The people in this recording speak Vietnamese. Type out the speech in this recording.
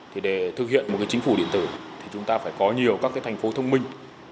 thì để thực hiện một cái chính phủ điện tử thì chúng ta phải có nhiều các cái thành phố thông minh